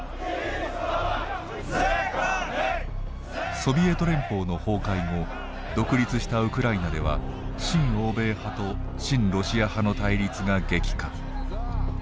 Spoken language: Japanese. ソビエト連邦の崩壊後独立したウクライナでは新欧米派と親ロシア派の対立が激化。